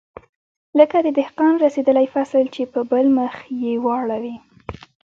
لکه د دهقان رسېدلى فصل چې په بل مخ يې واړوې.